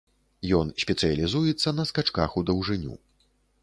Ён спецыялізуецца на скачках у даўжыню.